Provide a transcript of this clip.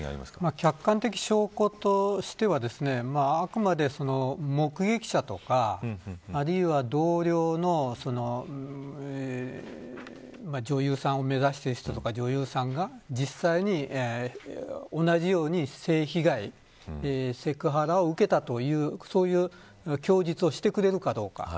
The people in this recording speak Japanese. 客観的証拠としてはあくまで目撃者とか同僚の女優さんを目指している人や女優さんが実際に同じように性被害セクハラを受けたというそういう供述をしてくれるかどうか。